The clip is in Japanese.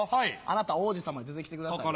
あなた王子様で出て来てください。